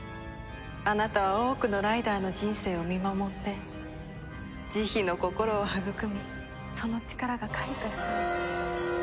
あなたは多くのライダーの人生を見守って慈悲の心を育みその力が開花したの。